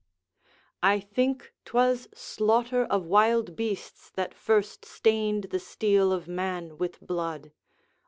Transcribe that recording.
["I think 'twas slaughter of wild beasts that first stained the steel of man with blood."